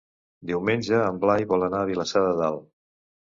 Diumenge en Blai vol anar a Vilassar de Dalt.